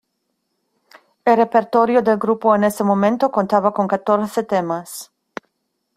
El repertorio del grupo en ese momento contaba con catorce temas.